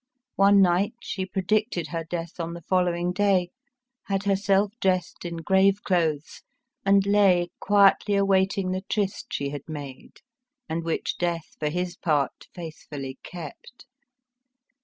One night she predicted her death on the follow ing day, had herself dressed in grave clothes, and lay quietly awaiting the tryst she had made, and which Death for his part faithfully kept.